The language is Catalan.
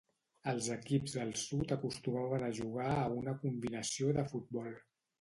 Els equips del sud acostumaven a jugar a la combinació de futbol.